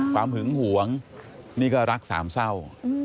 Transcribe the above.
ความหื้มห่วงนี่ก็รัก๓เศร้า